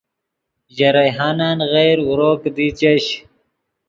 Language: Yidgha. ژے ریحانن غیر اورو کیدی چش